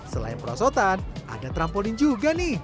selain perosotan ada trampolin juga nih